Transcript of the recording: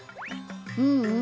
ううん。